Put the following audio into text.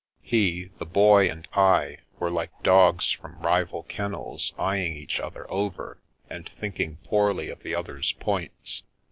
He, the Boy and I were like dogs from rival ken nels eyeing each other over, and thinking poorly of the other's points.